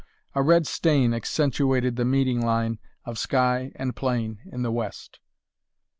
A red stain accentuated the meeting line of sky and plain in the west.